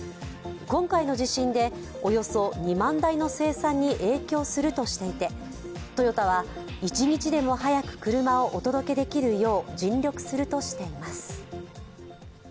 今回の地震でおよそ２万台の生産に影響するとしていて、トヨタは、一日でも早く車をお届けできるよう尽力するとしています。